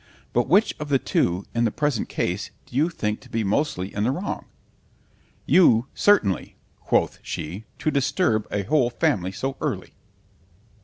—— ——But which of the two, in the present case, do you think to be mostly in the wrong? You, certainly: quoth she, to disturb a whole family so early.